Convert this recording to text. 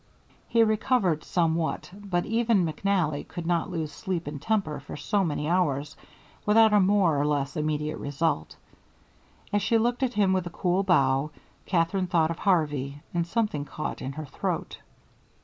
He recovered somewhat, but even McNally could not lose sleep and temper for so many hours without a more or less immediate result. As she looked at him with a cool bow, Katherine thought of Harvey, and something caught in her throat.